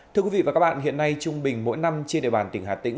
thưa quý vị và các bạn hiện nay trung bình mỗi năm trên địa bàn tỉnh hà tĩnh